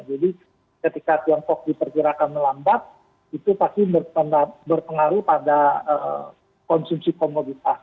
jadi ketika tiongkok dipergerakan melambat itu pasti berpengaruh pada konsumsi komoditas